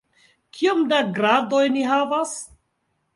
Kiom da gradoj ni havas?